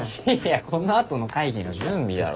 この後の会議の準備だろ。